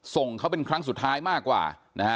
ส่งเขาเป็นครั้งสุดท้ายมากกว่านะฮะ